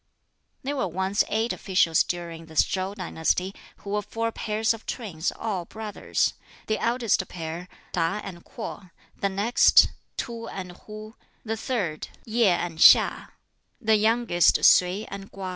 There were once eight officials during this Chow dynasty, who were four pairs of twins, all brothers the eldest pair Tab and Kwoh, the next Tub and Hwuh, the third Yť and HiŠ, the youngest Sui and Kwa.